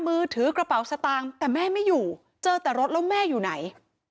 มือถือกระเป๋าสตางค์แต่แม่ไม่อยู่เจอแต่รถแล้วแม่อยู่ไหน